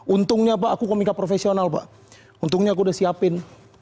untungnya pak aku komika profesional pak untungnya aku udah siapin